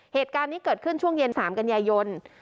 เหตุการณ์นี้เกิดขึ้นช่วงเย็น๓กันยายน